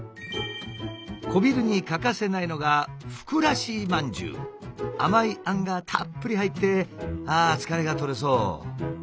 小昼に欠かせないのが甘いあんがたっぷり入ってああ疲れがとれそう。